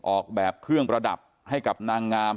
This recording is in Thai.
ออกแบบเครื่องประดับให้กับนางงาม